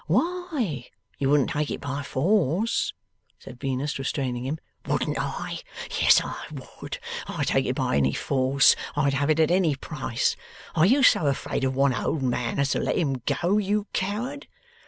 'Why, you wouldn't take it by force?' said Venus, restraining him. 'Wouldn't I? Yes I would. I'd take it by any force, I'd have it at any price! Are you so afraid of one old man as to let him go, you coward?